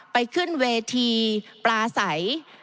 ไปขึ้นเวทีปลาใส